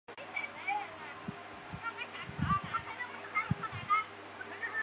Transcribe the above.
梁子颖现时是葵青区议会社区事务委员会任主席。